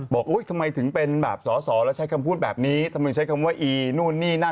ทำไมถึงเป็นแบบสอสอแล้วใช้คำพูดแบบนี้ทำไมใช้คำว่าอีนู่นนี่นั่น